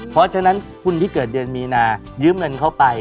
เพราะฉะนั้นคุณที่เกิดเดือนมีนายืมเงินเข้าไป